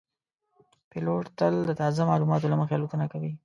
پیلوټ تل د تازه معلوماتو له مخې الوتنه کوي.